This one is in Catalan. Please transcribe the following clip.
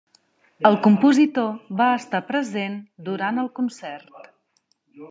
El compositor va estar present durant el concert.